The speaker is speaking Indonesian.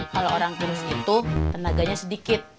kalo orang kurus itu tenaganya sedikit